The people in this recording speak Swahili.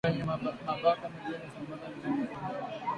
Kupe wenye mabaka miguuni husambaza vimelea vya ugonjwa wa majimoyo